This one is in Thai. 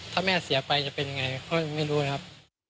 ถ้าแม่เสียไปจะเป็นยังไงพ่อยังไม่รู้นะครับ